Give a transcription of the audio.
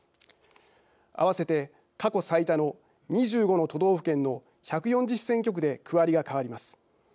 合わせて過去最多の２５の都道府県の１４０選挙区で区割りが変わります。